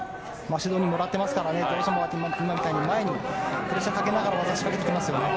指導２もらってますからどうしても今みたいに前にプレッシャーをかけながら技を仕掛けてきますよね。